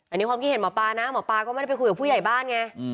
อันนี้ความคิดเห็นหมอปลานะหมอปลาก็ไม่ได้ไปคุยกับผู้ใหญ่บ้านไง